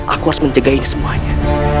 aku harus menjaga ini semuanya